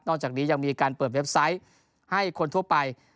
จากนี้ยังมีการเปิดเว็บไซต์ให้คนทั่วไป